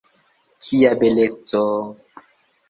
Kia beleco!